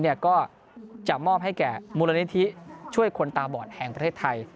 ก็จะมอบให้แก่มูลนิธิช่วยคนตาบอดแห่งประเทศไทย